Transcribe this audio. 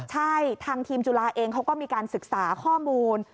ใช่ทางทีมจุฬาเองเขาก็มีการศึกษาข้อมูล